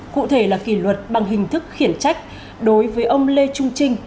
cụ thể là kỷ luật bằng hình thức khiển trách đối với ông lê trung trinh